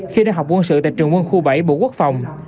khi đang học quân sự tại trường quân khu bảy bộ quốc phòng